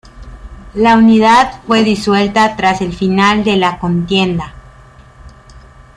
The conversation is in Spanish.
La unidad fue disuelta tras el final de la contienda.